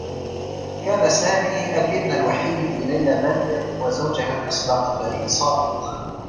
كان سامي الإبن الوحيد لليلى باكر و زوجها الأسبق فريد صادق.